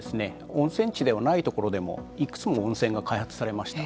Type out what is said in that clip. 温泉地ではないところでもいくつも温泉が開発されました。